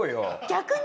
逆に？